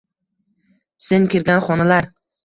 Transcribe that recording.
Sen kirgan xonalar